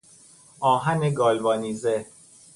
آهن گالوانیزه